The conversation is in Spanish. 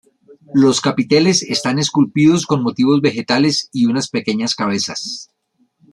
Los capiteles están esculpidos con motivos vegetales y unas pequeñas cabezas.